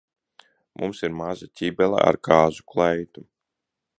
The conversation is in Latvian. Mums ir maza ķibele ar kāzu kleitu.